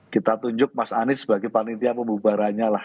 kita tunjuk mas anies sebagai panitia pembubarannya lah